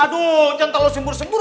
aduh jangan terlalu sembur sembur